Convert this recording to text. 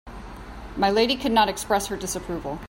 My lady could not express her disapproval.